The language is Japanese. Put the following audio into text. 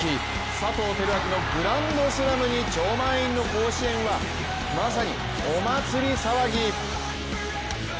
佐藤照明のグランドスラムに超満員の甲子園はまさにお祭り騒ぎ。